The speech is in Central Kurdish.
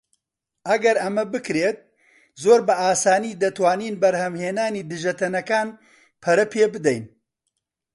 ئەگەر ئەمە بکرێت، زۆر بە ئاسانی دەتوانین بەرهەمهێنانی دژەتەنەکان پەرە پێبدەین.